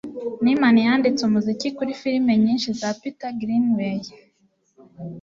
Nyman yanditse umuziki kuri firime nyinshi za Peter Greenaway